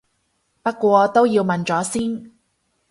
不過都要問咗先